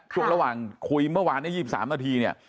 จุดระหว่างคุยเมื่อวานใน๒๓นาทีเนี่ย